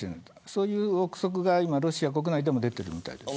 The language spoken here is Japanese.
そういう臆測がロシア国内でも出てるようです。